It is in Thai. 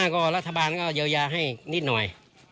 ๑๕๐๐๐ก็รัฐบาลเยาว์ยาให้นิดหน่อย